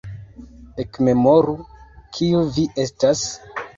ekmemoru, kiu vi estas!